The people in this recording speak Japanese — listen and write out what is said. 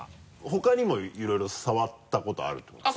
他にもいろいろ触ったことあるってこと？